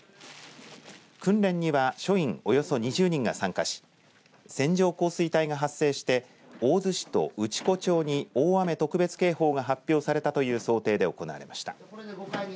訓練には署員およそ２０人が参加し線状降水帯が発生して大洲市と内子町に大雨特別警報が発表されたという想定で行われました。